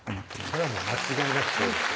それはもう間違いなくそうですよ